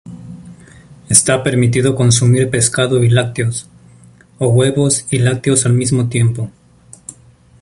Está permitido consumir pescado y lácteos, o huevos y lácteos al mismo tiempo.